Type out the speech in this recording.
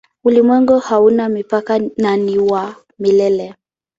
Ulimwengu hauna mipaka na ni wa milele.